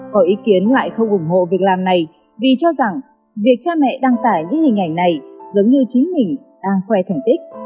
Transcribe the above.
có ý kiến lại không ủng hộ việc làm này vì cho rằng việc cha mẹ đăng tải những hình ảnh này giống như chính mình đang khoe thành tích